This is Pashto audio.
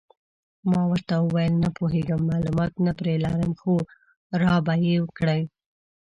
ما ورته وویل: نه پوهېږم، معلومات نه پرې لرم، خو را به یې کړي.